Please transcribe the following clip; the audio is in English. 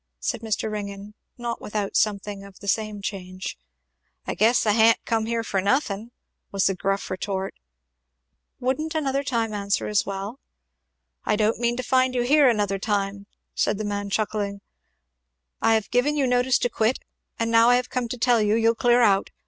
said Mr. Ringgan, not without something of the same change. "I guess I ha'n't come here for nothing," was the gruff retort. "Wouldn't another time answer as well?" "I don't mean to find you here another time," said the man chuckling, "I have given you notice to quit, and now I have come to tell you you'll clear out.